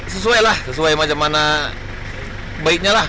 sesuai lah sesuai macam mana baiknya lah